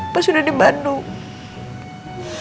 pas udah di bandung